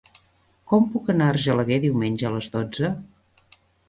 Com puc anar a Argelaguer diumenge a les dotze?